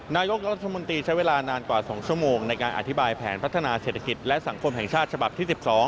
นายกรัฐมนตรีใช้เวลานานกว่า๒ชั่วโมงในการอธิบายแผนพัฒนาเศรษฐกิจและสังคมแห่งชาติฉบับที่๑๒